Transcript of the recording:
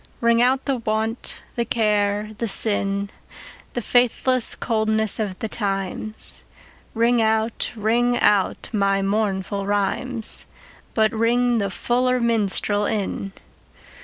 Ring out the want, the care the sin, The faithless coldness of the times; Ring out, ring out my mournful rhymes, But ring the fuller minstrel in.